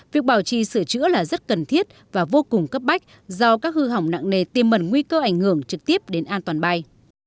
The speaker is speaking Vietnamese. việc bảo trì sửa chữa là rất cần thiết và vô cùng cấp bách do các hư hỏng nặng nề tiêm mẩn nguy cơ ảnh hưởng trực tiếp đến an toàn bay